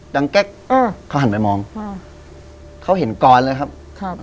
แก๊กอ่าเขาหันไปมองอ่าเขาเห็นกรเลยครับครับ